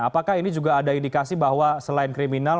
apakah ini juga ada indikasi bahwa selain kriminal